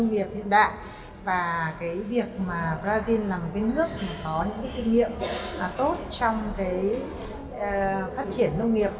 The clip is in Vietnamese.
và việc brazil là một nước có kinh nghiệm tốt trong phát triển nông nghiệp